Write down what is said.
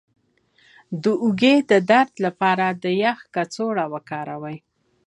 د اوږې د درد لپاره د یخ کڅوړه وکاروئ